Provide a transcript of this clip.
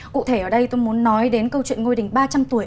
cụ thể ở đây tôi muốn nói đến câu chuyện ngôi đình ba trăm linh tuổi